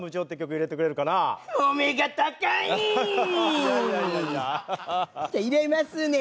入れますね。